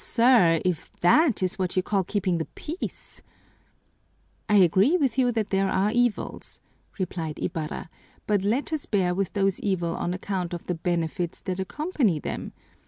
Ah, sir, if that is what you call keeping the peace " "I agree with you that there are evils," replied Ibarra, "but let us bear with those evils on account of the benefits that accompany them.